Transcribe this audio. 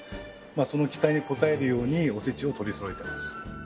その期待に応えるようにおせちを取り揃えてます